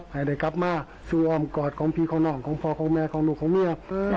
ให้ได้กลับมาสู่อ้อมกอดของพี่ของน้องของพ่อของแม่ของลูกของเมีย